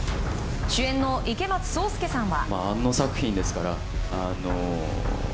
主演の池松壮亮さんは。